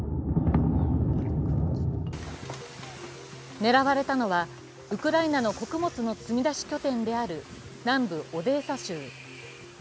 狙われたのは、ウクライナの穀物の積み出し拠点である南部オデーサ州。